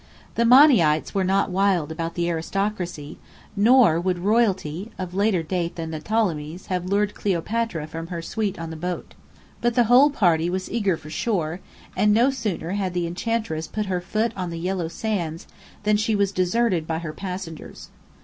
The Monny ites were not "wild" about the aristocracy, nor would royalty (of later date than the Ptolemies) have lured Cleopatra from her suite on the boat. But the whole party was eager for shore, and no sooner had the Enchantress put her foot on the yellow sands than she was deserted by her passengers.